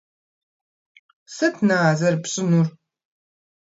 - Сыт, на, зэрыпщӀынур?